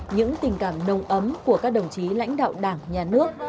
những tình cảm nồng ấm của các đồng chí lãnh đạo đảng nhà nước